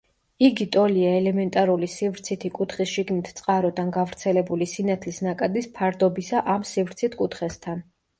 იგი ტოლია ელემენტარული სივრცითი კუთხის შიგნით წყაროდან გავრცელებული სინათლის ნაკადის ფარდობისა ამ სივრცით კუთხესთან.